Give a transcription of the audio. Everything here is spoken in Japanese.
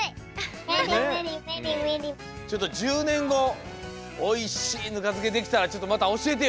ちょっと１０ねんごおいしいぬかづけできたらちょっとまたおしえてよ。